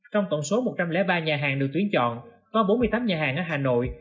trong tổng số một trăm linh ba nhà hàng được tuyến chọn có bốn mươi tám nhà hàng ở hà nội